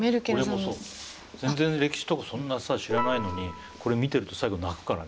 全然歴史とかそんなさ知らないのにこれ見てると最後泣くからね。